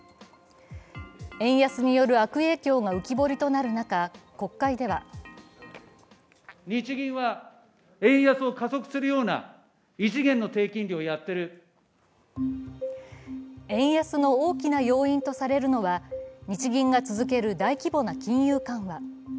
円安による悪影響が浮き彫りとなる中、国会では円安の大きな要因とされるのは日銀が続ける大規模な金融緩和。